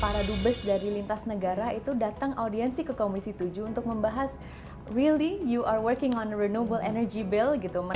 para dubes dari lintas negara itu datang audiensi ke komisi tujuh untuk membahas really you are working on renewable energy bill gitu